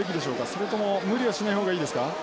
それとも無理はしないほうがいいですか？